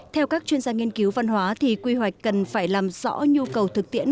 theo các chuyên gia nghiên cứu văn hóa thì quy hoạch cần phải làm rõ nhu cầu thực tiễn